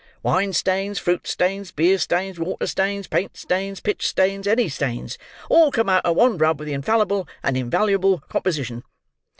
Wine stains, fruit stains, beer stains, water stains, paint stains, pitch stains, any stains, all come out at one rub with the infallible and invaluable composition.